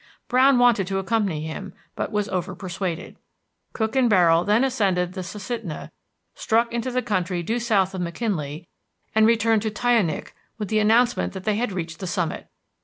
Browne wanted to accompany him, but was overpersuaded. Cook and Barrill then ascended the Susitna, struck into the country due south of McKinley, and returned to Tyonik with the announcement that they had reached the summit.